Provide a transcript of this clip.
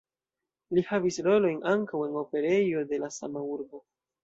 Li havis rolojn ankaŭ en operejo de la sama urbo.